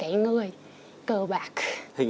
hình ảnh những người đàn ông trong câu chuyện